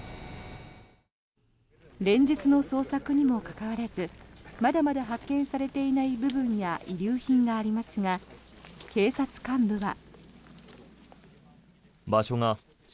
連日の捜索にもかかわらずまだまだ発見されていない部分や遺留品がありますが警察幹部は。